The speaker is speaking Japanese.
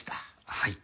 はい。